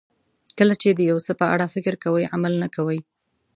کله چې د یو څه په اړه فکر کوئ عمل نه کوئ.